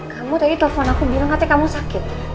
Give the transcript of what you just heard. kamu tadi telepon aku bilang katanya kamu sakit